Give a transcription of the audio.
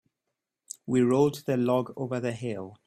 We rolled the log over the hill.